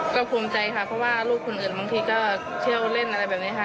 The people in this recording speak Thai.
ก็ภูมิใจค่ะเพราะว่าลูกคนอื่นบางทีก็เที่ยวเล่นอะไรแบบนี้ค่ะ